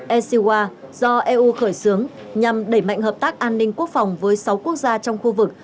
ecwa do eu khởi xướng nhằm đẩy mạnh hợp tác an ninh quốc phòng với sáu quốc gia trong khu vực